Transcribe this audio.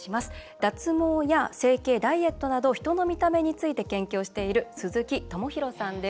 脱毛や整形ダイエットなど人の見た目について研究をしている鈴木公啓さんです。